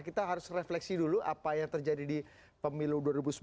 kita harus refleksi dulu apa yang terjadi di pemilu dua ribu sembilan belas